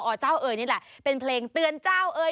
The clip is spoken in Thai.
เอาเจ้าเอ๋ยเป็นเพลงเตือนเจ้าเอ๋ย